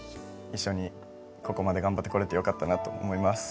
一緒にここまで頑張ってこれてよかったなと思います